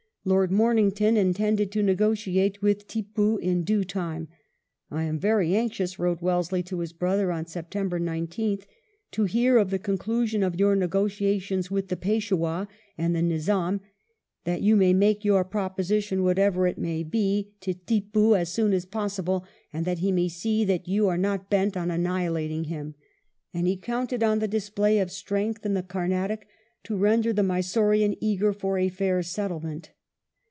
Lord Morning ton intended to negotiate with Tippoo in due time. "I am very anxious," wrote Wellesley to his brother on September 19 th, " to hear of the conclusion of your negotiations with the Peishwah and the Nizam, that you may make your proposition, whatever it may be, to II wellesley's labours m camp 31 Tippoo as soon as possible, and that he may see that you are not bent on annihilating him ;" and he counted on the display of strength in the Camatic to render the Mysorean eager for a fair settlement.